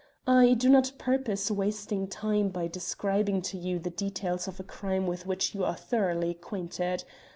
I do not purpose wasting time by describing to you the details of a crime with which you are thoroughly acquainted.